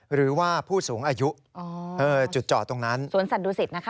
หรือว่าผู้สูงอายุจุดจอดตรงนั้นสวนสัตวศิษฐนะคะ